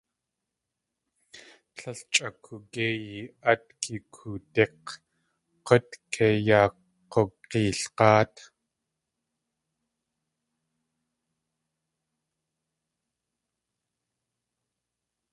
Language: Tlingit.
Líl chʼa koogéiyi át yigoodík̲, k̲ut kei yaa k̲ukg̲eelg̲áat.